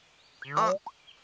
あっ！